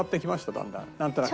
だんだんなんとなく。